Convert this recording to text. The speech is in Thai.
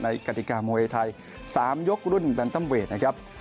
ในกฎิกามวยไทย๓ยกรุ่นแบนเตอร์มเวทนะครับ